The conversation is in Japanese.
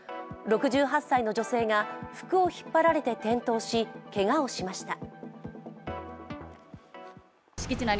６８歳の女性が服を引っ張られて転倒し、けがをしました。